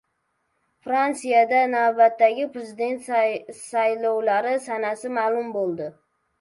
Fransiyada navbatdagi prezident saylovlari sanasi ma’lum bo‘ldi